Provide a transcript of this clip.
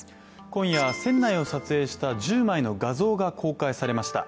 今夜船内を撮影した１０枚の画像が公開されました。